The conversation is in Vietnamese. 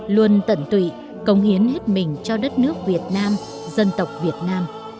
luôn tận tụy cống hiến hết mình cho đất nước việt nam dân tộc việt nam